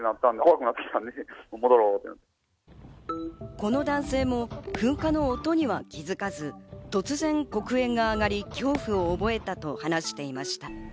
この男性も噴火の音には気づかず、突然黒煙が上がり、恐怖を覚えたと話していました。